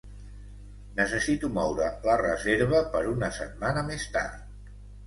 Necessito moure la reserva per una setmana més tard.